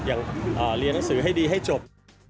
เรียนหนังสือให้ดีให้จบ